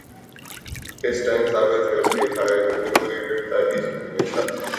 اس team نے ثابت کر دکھایا کہ اپنی پوری کرکٹ تاریخ میں ہمیشہ